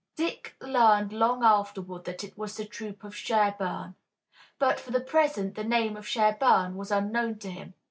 Dick learned long afterward that it was the troop of Sherburne, but, for the present, the name of Sherburne was unknown to him.